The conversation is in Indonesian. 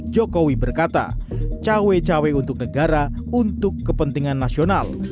jokowi berkata cawe cawe untuk negara untuk kepentingan nasional